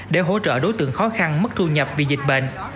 để hỗ trợ đối tượng khó khăn mất thu nhập vì dịch bệnh